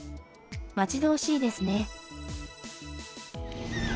待ち遠しいですね。